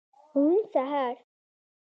روڼ سهار